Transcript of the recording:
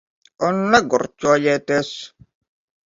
Un negurķojieties.